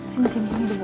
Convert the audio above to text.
sini sini ini debu